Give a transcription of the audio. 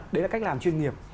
đấy là cách làm chuyên nghiệp